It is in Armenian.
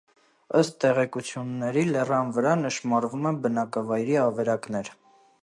Ըստ տեղեկությունների լեռան վրա նշմարվում են բնակավայրի ավերակներ։